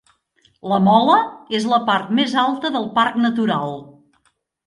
La Mola és la part més alta del Parc Natural.